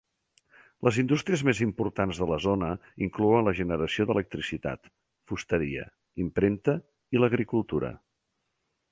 Les indústries més importants de la zona inclouen la generació d'electricitat, fusteria, impremta, i l'agricultura.